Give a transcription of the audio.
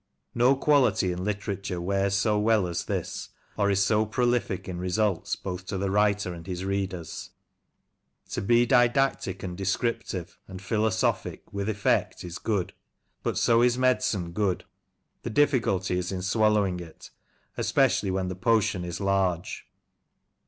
No quality in literature wears so well as this, or is so prolific in results both to the writer and his readers. To be didactic, and descriptive, and philosophic, with effect, is good : but so is medicine good — the difficulty is in swallowing it, especially when the potion is large.